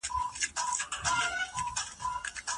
ساينسي ژبه ساده وي.